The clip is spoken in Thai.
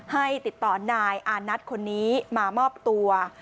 ให้ติดต่อนายอานัทคนนี้มามอบตัว